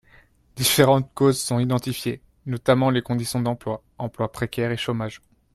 Différentes causes sont identifiées, notamment les conditions d’emploi, emploi précaire et chômage.